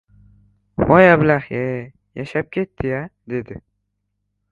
"Voy ablah-ye, yashab ketdi-ya! — dedi.